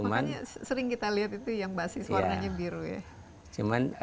makanya sering kita lihat itu yang basis warnanya biru ya